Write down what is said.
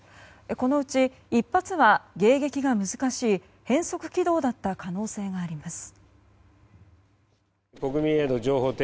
このうち１発は迎撃が難しい変則軌道だった可能性があります。